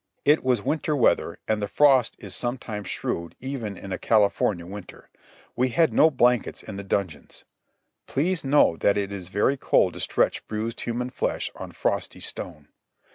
It was winter weather, and the frost is sometimes shrewd even in a California winter. We had no blankets in the dungeons. Please know that it is very cold to stretch bruised human flesh on frosty stone.